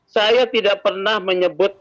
saya tidak pernah menyebut